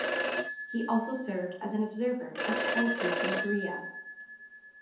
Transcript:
He also served as an observer of Thai troops in Korea.